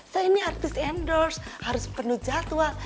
saya ini artis endorse harus penuh jadwal